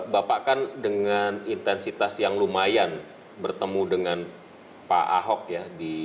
bapak kan dengan intensitas yang lumayan bertemu dengan pak ahok ya